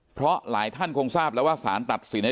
เพราะหลายท่านคงทราบแล้วว่าสารตัดสินให้